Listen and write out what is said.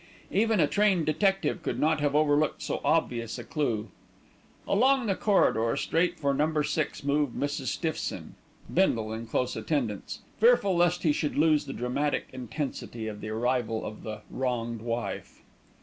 Even a trained detective could not have overlooked so obvious a clue. Along the corridor, straight for Number Six moved Mrs. Stiffson, Bindle in close attendance, fearful lest he should lose the dramatic intensity of the arrival of "the wronged wife."